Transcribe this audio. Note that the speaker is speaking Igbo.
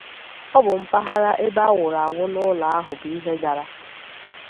ọ bụ mpaghara ebe a wụrụ awụ n'ụlọ ahụ bụ ihe dara